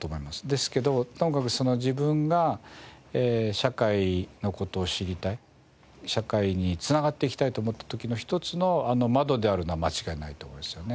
ですけどともかく自分が社会の事を知りたい社会に繋がっていきたいと思った時の一つの窓であるのは間違いないと思いますよね。